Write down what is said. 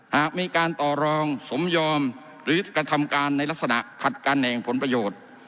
หากมีการต่อรองสมยอมหรือกระทำการในลักษณะขัดการแห่งผลประโยชน์